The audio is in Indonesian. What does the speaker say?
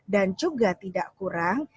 dan juga tidak kurang